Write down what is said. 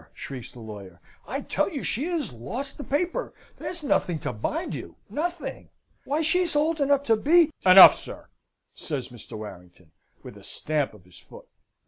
shrieks the lawyer, "I tell you she has lost the paper. There's nothing to bind you nothing. Why she's old enough to be " "Enough, sir," says Mr. Warrington, with a stamp of his foot.